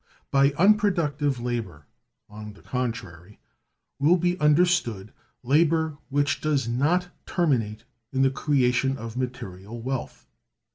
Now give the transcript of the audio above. By Unproductive Labor, on the contrary, will be understood labor which does not terminate in the creation of material wealth.